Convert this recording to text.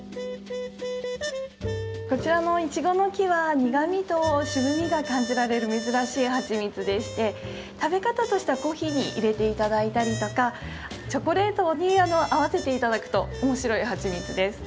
こちらのイチゴノキは苦みと渋みが感じられる珍しいはちみつでして食べ方としてはコーヒーに入れて頂いたりとかチョコレートに合わせて頂くと面白いはちみつです。